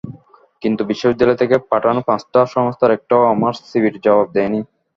কিন্তু বিশ্ববিদ্যালয় থেকে পাঠানো পাঁচটা সংস্থার একটাও আমার সিভির জবাব দেয়নি।